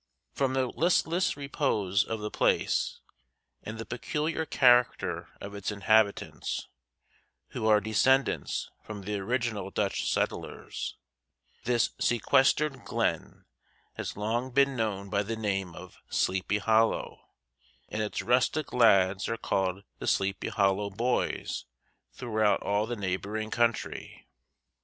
From the listless repose of the place and the peculiar character of its inhabitants, who are descendants from the original Dutch settlers, this sequestered glen has long been known by the name of SLEEPY HOLLOW, and its rustic lads are called the Sleepy Hollow Boys throughout all the neighboring country.